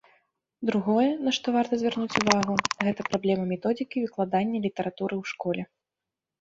Другое, на што варта звярнуць увагу, гэта праблема методыкі выкладання літаратуры ў школе.